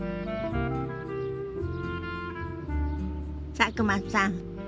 佐久間さん